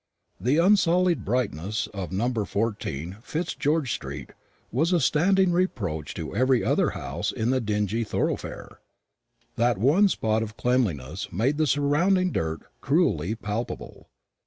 The unsullied brightness of No. 14 Fitzgeorge street was a standing reproach to every other house in the dingy thorough fare. That one spot of cleanliness made the surrounding dirt cruelly palpable.